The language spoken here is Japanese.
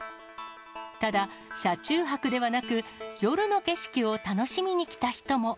ただ、車中泊ではなく、夜の景色を楽しみに来た人も。